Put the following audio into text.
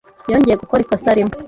yongeye gukora ikosa rimwe.